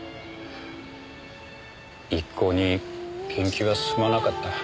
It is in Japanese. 一向に研究は進まなかった。